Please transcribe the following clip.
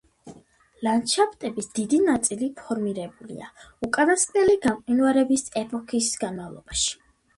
ლანდშაფტების დიდი ნაწილი ფორმირებულია უკანასკნელი გამყინვარების ეპოქის განმავლობაში.